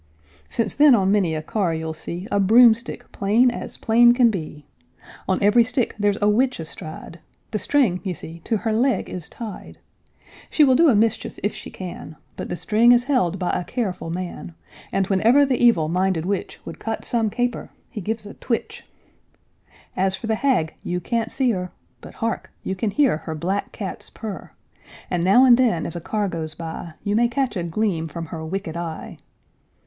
Since then on many a car you'll see A broomstick plain as plain can be; On every stick there's a witch astride, The string you see to her leg is tied. She will do a mischief if she can, But the string is held by a careful man, And whenever the evil minded witch Would cut some caper, he gives a twitch. As for the hag, you can't see her, But hark! you can hear her black cat's purr, And now and then, as a car goes by, You may catch a gleam from her wicked eye.